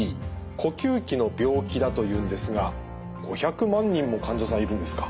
呼吸器の病気だというんですが５００万人も患者さんいるんですか？